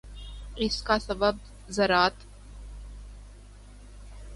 اس کا سبب ذرات